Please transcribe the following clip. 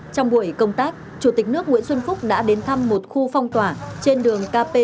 trong buổi công tác chủ tịch nước nguyễn xuân phúc đã đến thăm một khu phong tỏa trên đường kp một trăm một mươi